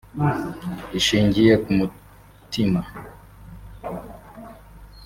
irishingiye ku mutima